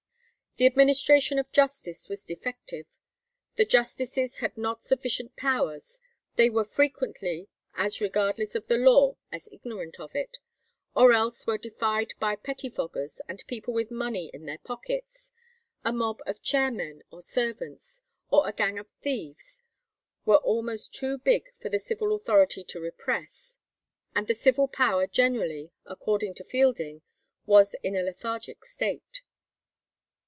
The administration of justice was defective; the justices had not sufficient powers; they were frequently "as regardless of the law as ignorant of it," or else were defied by pettifoggers and people with money in their pockets. A mob of chair men or servants, or a gang of thieves, were almost too big for the civil authority to repress; and the civil power generally, according to Fielding, was in a lethargic state.